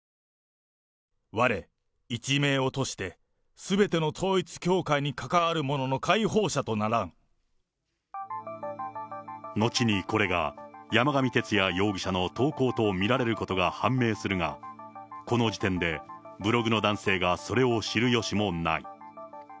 われ、一命を賭して、すべての統一教会に関わるものの解放者とならん。のちにこれが山上徹也容疑者の投稿と見られることが判明するが、この時点でブログの男性がそれを知るよしもない。